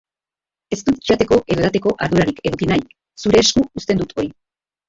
Ez dut jateko edo edateko ardurarik eduki nahi, zure esku uzten dut hori.